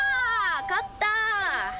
勝った！